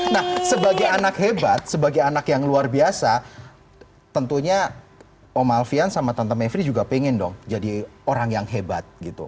nah sebagai anak hebat sebagai anak yang luar biasa tentunya om alfian sama tante mevri juga pengen dong jadi orang yang hebat gitu